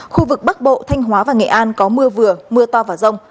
khu vực bắc bộ thanh hóa và nghệ an có mưa vừa mưa to và rông